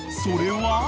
［それは？］